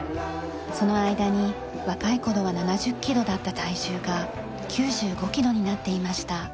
その間に若い頃は７０キロだった体重が９５キロになっていました。